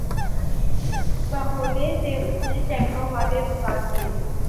بھولے سے اس نے سیکڑوں وعدے وفا کیے